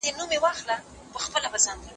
تعلیم د راتلونکي پانګه ده.